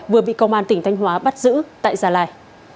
vừa bị công an tỉnh thanh hóa bắt giữ tại gia lai